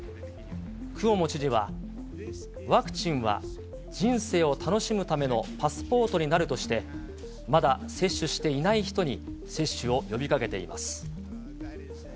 クオモ知事は、ワクチンは人生を楽しむためのパスポートになるとして、まだ接種していない人に、接種を呼びかけています。